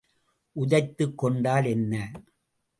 உதைத்துக் கொண்டால் என்ன?